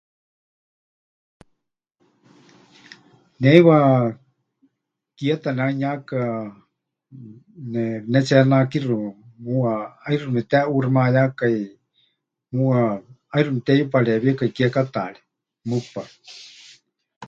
Ne heiwa kieta nehanuyaka ne pɨnetsihenakixɨ, muuwa ʼaixɨ mepɨteʼuuximayákai, muuwa ʼaixɨ mepɨteyuparewiekai kiekátaari, mɨpaɨ.